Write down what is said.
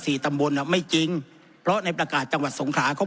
ตำบลอ่ะไม่จริงเพราะในประกาศจังหวัดสงขลาเขา